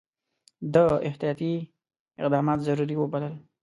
ده احتیاطي اقدامات ضروري وبلل.